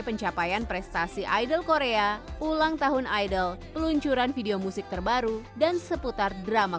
pencapaian prestasi idol korea ulang tahun idol peluncuran video musik terbaru dan seputar drama